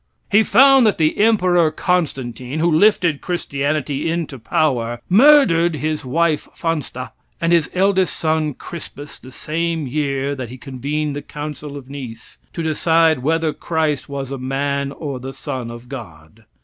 He found that the Emperor Constantine, who lifted christianity into power, murdered his wife Fansta and his eldest son Crispus the same year that he convened the council of Nice to decide whether Christ was a man or the son of God.